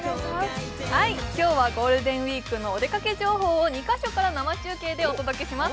今日はゴールデンウイークのお出かけ情報を２箇所から生中継でお届けします。